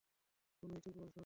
তুমি ঠিক বলছো!